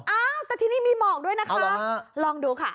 อ้าวแต่ที่นี่มีหมอกด้วยนะคะลองดูค่ะ